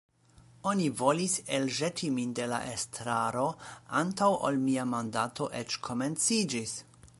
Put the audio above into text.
Oni volis elĵeti min de la estraro antaŭ ol mia mandato eĉ komenciĝis!